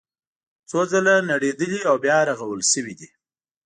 څو ځله نړېدلي او بیا رغول شوي دي.